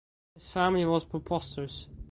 His family was prosperous.